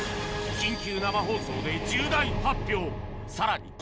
緊急生放送で重大発表。